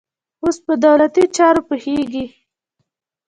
اوس په دولتي چارو پوهېږي.